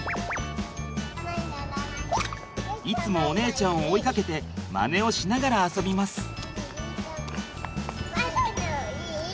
いつもお姉ちゃんを追いかけてマネをしながら遊びます。